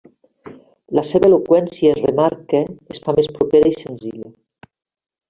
La seva eloqüència es remarca, es fa més propera i senzilla.